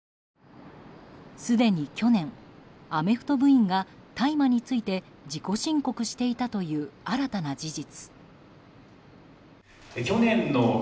すでに去年、アメフト部員が大麻について自己申告していたという新たな事実。